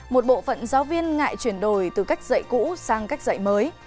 một bộ phận giáo viên ngại chuyển đổi từ cách dạy cũ sang cách dạy mới